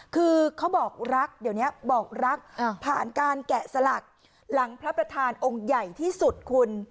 คือเขาบอกรักเดี๋ยวนี้บอกรักผ่านการแกะสลักหลังพระประธานองค์ใหญ่ที่สุดคุณ